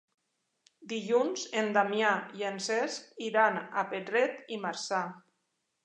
Dilluns en Damià i en Cesc iran a Pedret i Marzà.